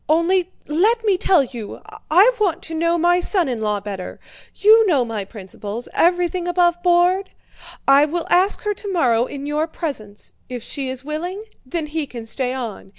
Only let me tell you, I want to know my son in law better. You know my principles—everything aboveboard! I will ask her tomorrow in your presence; if she is willing, then he can stay on.